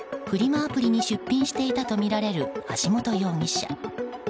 アプリに出品していたとみられる橋本容疑者。